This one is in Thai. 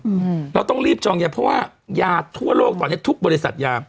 อืมเราต้องรีบจองยาเพราะว่ายาทั่วโลกตอนเนี้ยทุกบริษัทยา